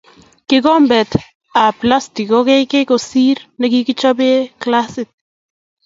Kikombetab plastic ko kekei kosir nekikichobee glasit.